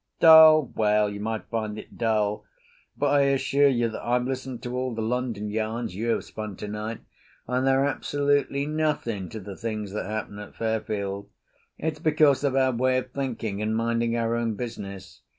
Dull? Well, you might find it dull, but I assure you that I've listened to all the London yarns you have spun tonight, and they're absolutely nothing to the things that happen at Fairfield. It's because of our way of thinking and minding our own business.